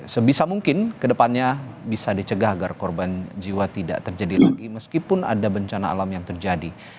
sebisa mungkin ke depannya bisa dicegah agar korban jiwa tidak terjadi lagi meskipun ada bencana alam yang terjadi